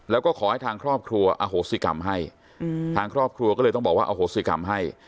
แล้วก็ขอให้ทางครอบครัวอโหสิกรรมให้ทางครอบครัวก็เลยต้องบอกว่าอโหสิกรรมให้